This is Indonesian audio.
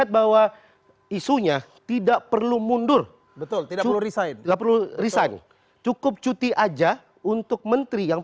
bahwa isunya tidak perlu mundur betul resign tidak perlu resign cukup cuti aja untuk menteri yang